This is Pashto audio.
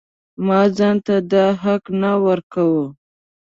ما ځان ته دا حق نه ورکاوه.